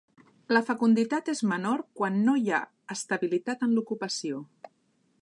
La fecunditat és menor quan no hi ha estabilitat en l'ocupació.